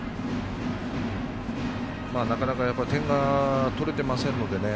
なかなか点が取れてませんのでね